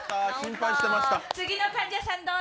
次の患者さん、どうぞ。